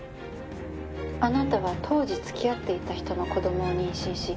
「あなたは当時付き合っていた人の子供を妊娠し」